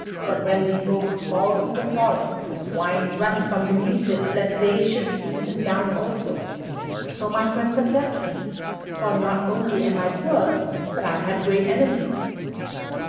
But when the oak falls in the forest the swine run from beneath it lest they should be smitten down also. So my friends have left me; for not only am I poor but I have great enemies."